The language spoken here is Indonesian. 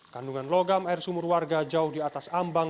kandungan logam air sumur warga jauh di atas ambang